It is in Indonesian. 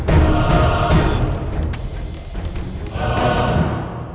ini udah kena